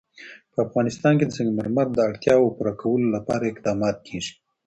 په افغانستان کې د سنگ مرمر د اړتیاوو پوره کولو لپاره اقدامات کېږي.